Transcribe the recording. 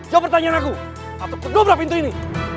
jawab pertanyaan aku atau kudobrak pintu ini